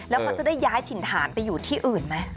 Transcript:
แล้วเขาจะได้ย้ายถิ่นฐานไปอยู่ที่อื่นไหม